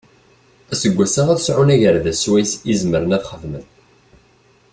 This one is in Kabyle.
Aseggas-a ad sɛun agerdas swayes i zemren ad xedmen.